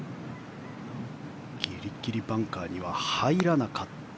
ギリギリバンカーに入らなかった